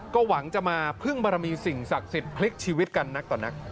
ก็หวังจะมาพึ่งบารมีสิ่งศักดิ์สิทธิ์พลิกชีวิตกันนักต่อนัก